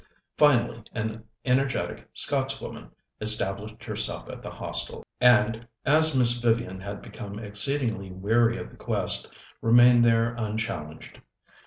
Finally, an energetic Scotswoman established herself at the Hostel and, as Miss Vivian had become exceedingly weary of the quest, remained there unchallenged.